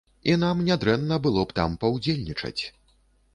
І нам нядрэнна было б там паўдзельнічаць.